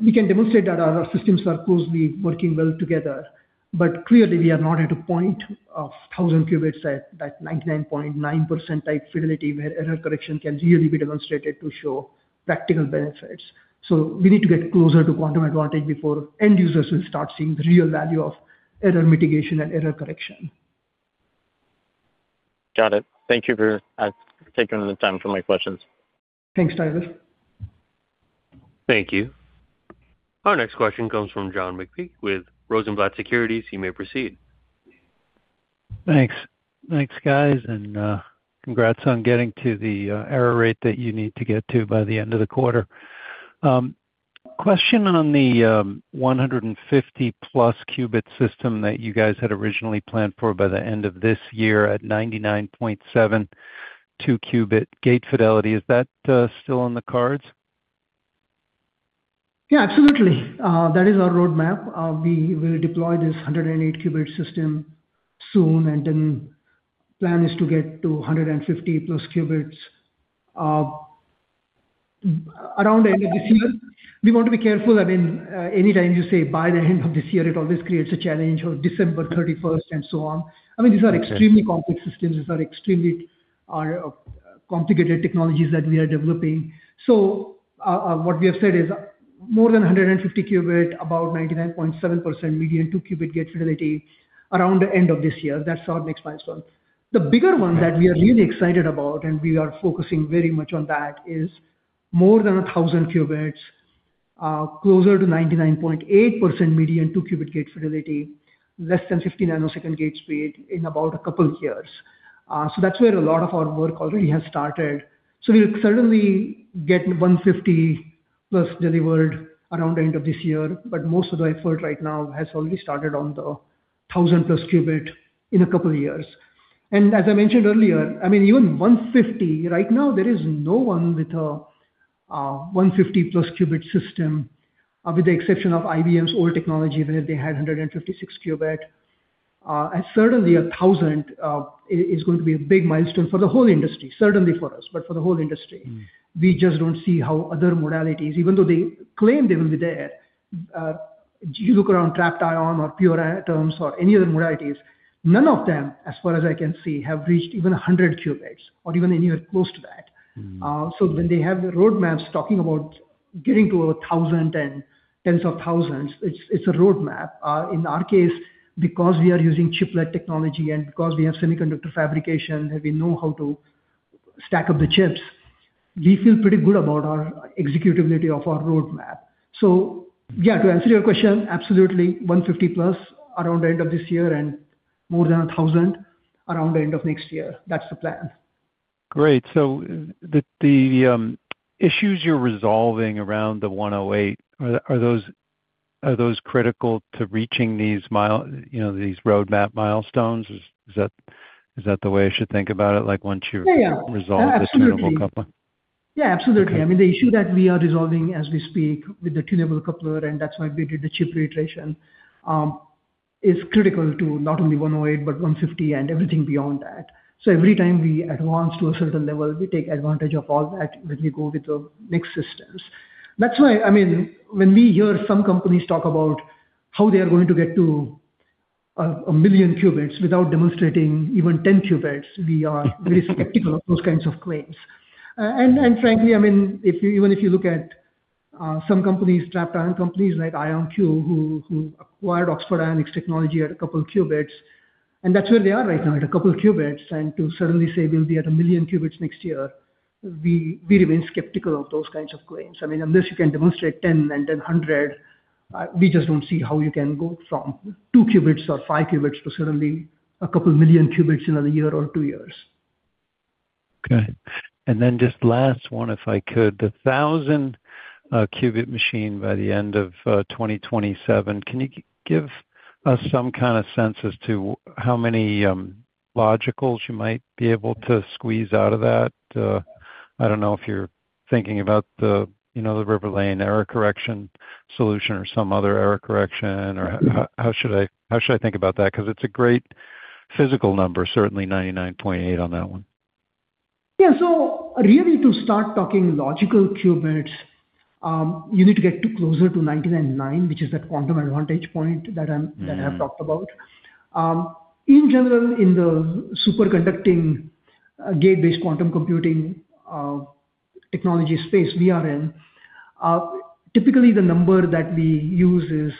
We can demonstrate that our systems are closely working well together. Clearly we are not at a point of 1,000 qubits at that 99.9% type fidelity where error correction can really be demonstrated to show practical benefits. We need to get closer to quantum advantage before end users will start seeing the real value of error mitigation and error correction. Got it. Thank you for taking the time for my questions. Thanks, Tyler. Thank you. Our next question comes from John McPeake with Rosenblatt Securities. You may proceed. Thanks. Thanks, guys, and congrats on getting to the error rate that you need to get to by the end of the quarter. Question on the 150+ qubit system that you guys had originally planned for by the end of this year at 99.72% qubit gate fidelity. Is that still on the cards? Yeah, absolutely. That is our roadmap. We will deploy this 108 qubit system soon, and then plan is to get to 150 plus qubits around the end of this year. We want to be careful. I mean, anytime you say by the end of this year, it always creates a challenge of December 31st and so on. I mean, these are extremely complex systems. These are extremely complicated technologies that we are developing. What we have said is more than 150 qubit, about 99.7% median two qubit gate fidelity around the end of this year. That's our next milestone. The bigger one that we are really excited about, and we are focusing very much on that, is more than 1,000 qubits, closer to 99.8% median 2-qubit gate fidelity, less than 50 nanosecond gate speed in about a couple of years. So that's where a lot of our work already has started. So we'll certainly get 150+ delivered around the end of this year, but most of the effort right now has already started on the 1,000+ qubit in a couple of years. As I mentioned earlier, I mean, even 150, right now there is no one with a 150+ qubit system, with the exception of IBM's old technology, even if they had 156 qubit. Certainly 1,000, is going to be a big milestone for the whole industry, certainly for us, but for the whole industry. We just don't see how other modalities, even though they claim they will be there, you look around trapped ion or pure atoms or any other modalities, none of them, as far as I can see, have reached even 100 qubits or even anywhere close to that. Mm-hmm. When they have the roadmaps talking about getting to 1,000 and tens of thousands, it's a roadmap. In our case, because we are using chiplet technology and because we have semiconductor fabrication, and we know how to stack up the chips, we feel pretty good about our executability of our roadmap. To answer your question, absolutely, 150+ around the end of this year and more than 1,000 around the end of next year. That's the plan. Great. The issues you're resolving around the 108, are those critical to reaching these, you know, these roadmap milestones? Is that the way I should think about it, like Yeah, yeah. Resolve this minimal coupling? Yeah, absolutely. Okay. I mean, the issue that we are resolving as we speak with the tuneable coupler, and that's why we did the chip reiteration, is critical to not only 108 but 150 and everything beyond that. Every time we advance to a certain level, we take advantage of all that when we go with the next systems. That's why, I mean, when we hear some companies talk about how they are going to get to 1 million qubits without demonstrating even 10 qubits. We are very skeptical of those kinds of claims. Frankly, I mean, even if you look at some companies, trapped ion companies like IonQ, who acquired Oxford Ionics technology at a couple qubits, and that's where they are right now, at a couple qubits. To suddenly say we'll be at 1 million qubits next year, we remain skeptical of those kinds of claims. I mean, unless you can demonstrate 10 and then 100, we just don't see how you can go from 2 qubits or 5 qubits to suddenly 2 million qubits in 1 year or 2 years. Okay. Just last one, if I could. The 1,000 qubit machine by the end of 2027, can you give us some kind of sense as to how many logicals you might be able to squeeze out of that? I don't know if you're thinking about the, you know, the Riverlane error correction solution or some other error correction. Mm-hmm. How should I think about that? 'Cause it's a great physical number, certainly 99.8 on that one. Yeah. Really to start talking logical qubits, you need to get to closer to 99.9, which is that quantum advantage point. Mm-hmm. That I've talked about. In general, in the superconducting, gate-based quantum computing, technology space we are in, typically the number that we use is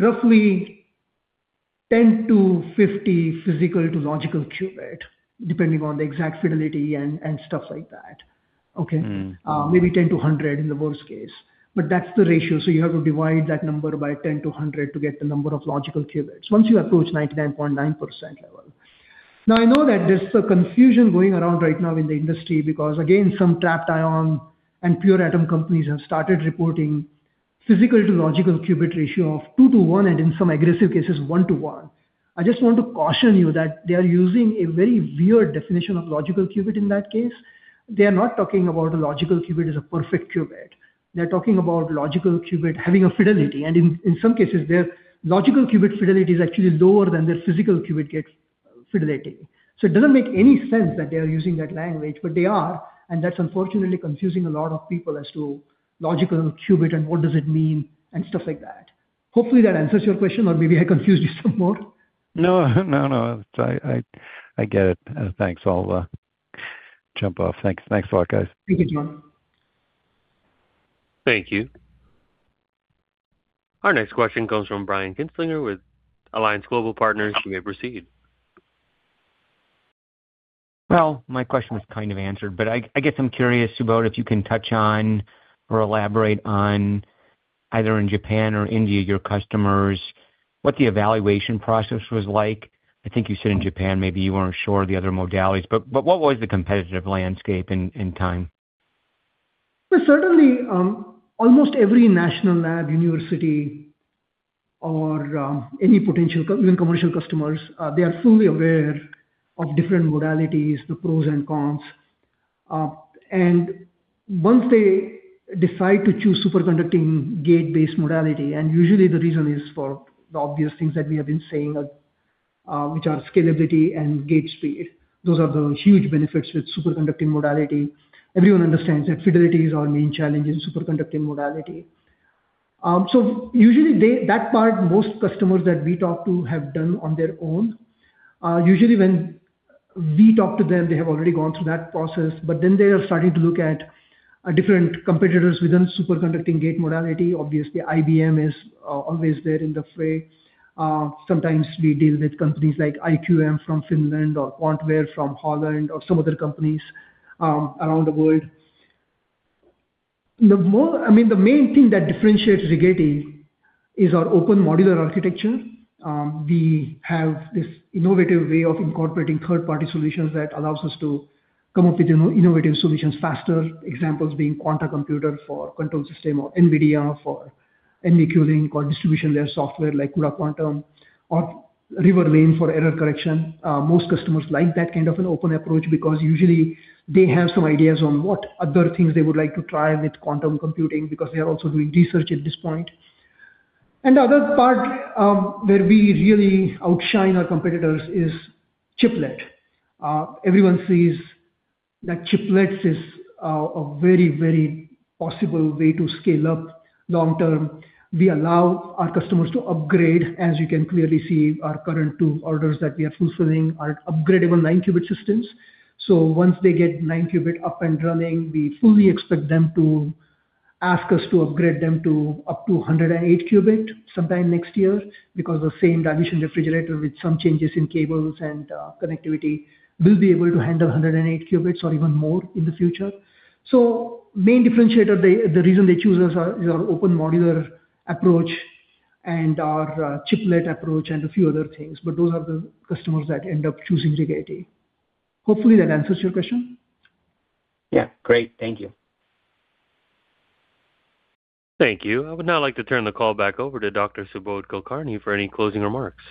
roughly 10 to 50 physical to logical qubit, depending on the exact fidelity and stuff like that. Okay? Mm-hmm. Maybe 10-100 in the worst case. That's the ratio, so you have to divide that number by 10-100 to get the number of logical qubits, once you approach 99.9% level. I know that there's a confusion going around right now in the industry because again, some trapped ion and pure atom companies have started reporting physical to logical qubit ratio of 2 to 1, and in some aggressive cases, 1 to 1. I just want to caution you that they are using a very weird definition of logical qubit in that case. They are not talking about a logical qubit as a perfect qubit. They're talking about logical qubit having a fidelity, and in some cases, their logical qubit fidelity is actually lower than their physical qubit gate fidelity. It doesn't make any sense that they are using that language, but they are. That's unfortunately confusing a lot of people as to logical qubit and what does it mean and stuff like that. Hopefully, that answers your question, or maybe I confused you some more. No, no. I get it. Thanks. I'll jump off. Thanks. Thanks a lot, guys. Thank you, John. Thank you. Our next question comes from Brian Kinstlinger with Alliance Global Partners. You may proceed. My question was kind of answered, but I guess I'm curious, Subodh, if you can touch on or elaborate on, either in Japan or India, your customers, what the evaluation process was like. I think you said in Japan, maybe you weren't sure the other modalities, but what was the competitive landscape in time? Well, certainly, almost every national lab, university or any potential even commercial customers, they are fully aware of different modalities, the pros and cons. Once they decide to choose superconducting gate-based modality, and usually the reason is for the obvious things that we have been saying, which are scalability and gate speed. Those are the huge benefits with superconducting modality. Everyone understands that fidelity is our main challenge in superconducting modality. Usually That part, most customers that we talk to have done on their own. Usually when we talk to them, they have already gone through that process. Then they are starting to look at different competitors within superconducting gate modality. Obviously, IBM is always there in the fray. Sometimes we deal with companies like IQM from Finland or QuantWare from Holland or some other companies around the world. I mean, the main thing that differentiates Rigetti is our open modular architecture. We have this innovative way of incorporating third-party solutions that allows us to come up with innovative solutions faster. Examples being Quanta Computer for control system or NVIDIA for NVQLink or distribution layer software like QuEra Computing or Riverlane for error correction. Most customers like that kind of an open approach because usually they have some ideas on what other things they would like to try with quantum computing because they are also doing research at this point. The other part where we really outshine our competitors is chiplet. Everyone sees that chiplets is a very, very possible way to scale up long term. We allow our customers to upgrade. As you can clearly see, our current 2 orders that we are fulfilling are upgradeable 9-qubit systems. Once they get 9-qubit up and running, we fully expect them to ask us to upgrade them to up to 108-qubit sometime next year because the same dilution refrigerator with some changes in cables and connectivity will be able to handle 108 qubits or even more in the future. Main differentiator, the reason they choose us are our open modular approach and our chiplet approach and a few other things, but those are the customers that end up choosing Rigetti. Hopefully that answers your question. Yeah. Great. Thank you. Thank you. I would now like to turn the call back over to Dr. Subodh Kulkarni for any closing remarks.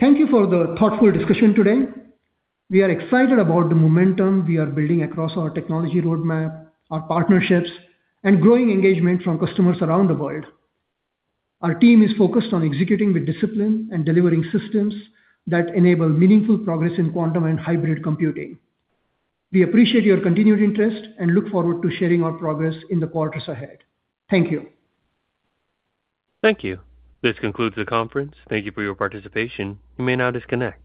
Thank you for the thoughtful discussion today. We are excited about the momentum we are building across our technology roadmap, our partnerships and growing engagement from customers around the world. Our team is focused on executing with discipline and delivering systems that enable meaningful progress in quantum and hybrid computing. We appreciate your continued interest and look forward to sharing our progress in the quarters ahead. Thank you. Thank you. This concludes the conference. Thank you for your participation. You may now disconnect.